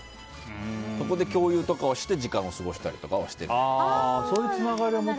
そこで共有したりして時間を過ごしたりしてる。